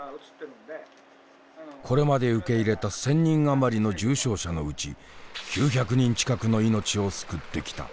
これまで受け入れた１，０００人余りの重症者のうち９００人近くの命を救ってきた。